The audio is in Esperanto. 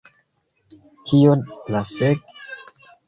Kio la fek?